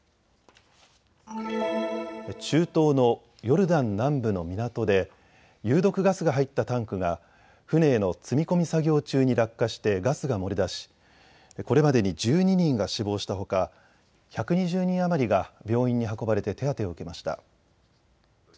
中東のヨルダン南部の港で有毒ガスが入ったタンクが船への積み込み作業中に落下してガスが漏れ出しこれまでに１２人が死亡したほか１２０人余りが病院に運ばれて手当てを受けました。